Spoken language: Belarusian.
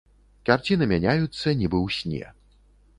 Карціны мяняюцца, нібы ў сне.